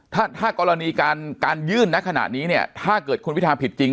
ถ้าถ้ากรณีการการยื่นณขณะนี้เนี่ยถ้าเกิดคุณวิทาผิดจริง